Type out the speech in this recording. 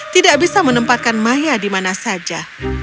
tidak bisa menempatkan maya di mana saja